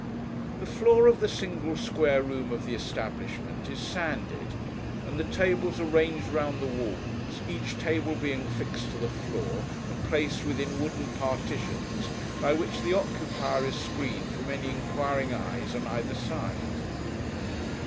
The floor of the single square room of the establishment is sanded, and the tables are ranged round the walls, each table being fixed to the floor, and placed within wooden partitions, by which the occupier is screened from any inquiring eyes on either side.